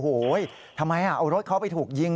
โหเฮ้ยทำไมละเอารถเขาไปถูกยิง